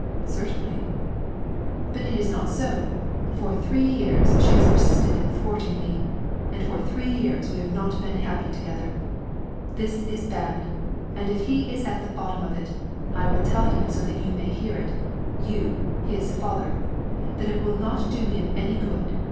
"Certainly." "But it is not so. For three years she has persisted in thwarting me, and for three years we have not been happy together. This is bad; and if he is at the bottom of it, I will tell him so that you may hear it, you, his father, that it will not do him any good.